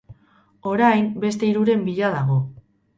Orain beste hiruren bila dago.